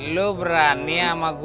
lo berani sama gue